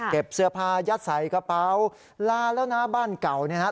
เก็บเสื้อผายัดใสกระเป๋าลาแล้วนาบ้านเก่าเนี่ยนะ